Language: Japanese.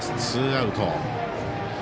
ツーアウト。